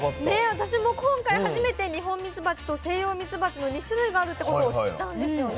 私も今回初めてニホンミツバチとセイヨウミツバチの２種類があるってことを知ったんですよね。